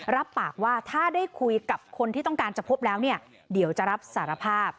รับปากว่าถ้าได้คุยกับคนที่ต้องการจะพบแล้วเนี่ยเดี๋ยวจะรับสารภาพ